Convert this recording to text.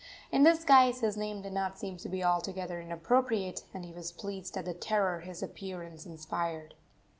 In this guise his name did not seem to be altogether inappropriate, and he was pleased at the terror his appearance inspired.